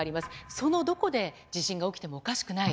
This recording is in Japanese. そのどこで地震が起きてもおかしくない。